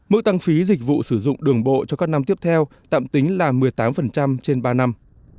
mức tăng phí dịch vụ sử dụng đường bộ cho các năm tiếp theo tạm tính là một mươi tám trên ba năm